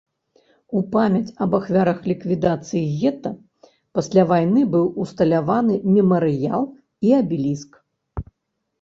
У памяць аб ахвярах ліквідацыі гета пасля вайны быў усталяваны мемарыял і абеліск.